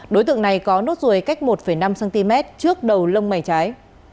đối tượng này có nốt ruồi cách một năm cm trước đầu lông mày trái